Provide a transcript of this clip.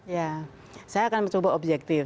ya saya akan mencoba objektif